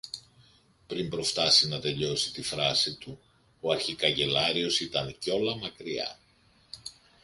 Πριν προφτάσει να τελειώσει τη φράση του, ο αρχικαγκελάριος ήταν κιόλα μακριά.